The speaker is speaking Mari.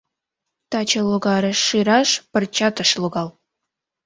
Таче логарыш шӱраш пырчат ыш логал.